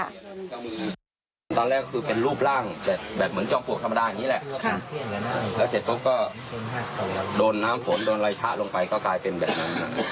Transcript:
แล้วเสร็จแล้วก็โดนน้ำฝนโดนไร้ชะลงไปก็กลายเป็นแบบนั้น